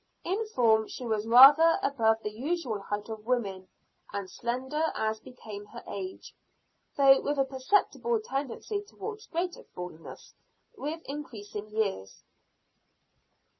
In form she was rather above the usual height of women, and slender as became her age; though with a perceptible tendency towards greater fullness with increasing years.